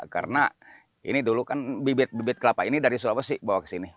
karena ini dulu kan bibit bibit kelapa ini dari sulawesi bawa ke sini